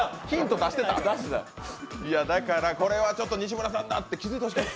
これは西村さんだって気付いてほしかった。